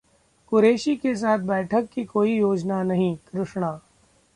कुरैशी के साथ बैठक की कोई योजना नहीं: कृष्णा